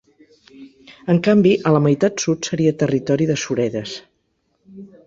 En canvi, a la meitat sud seria territori de suredes.